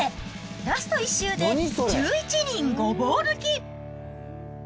ラスト１周で１１人ごぼう抜き。